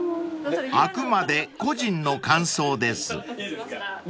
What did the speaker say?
［あくまで個人の感想です］いいですか？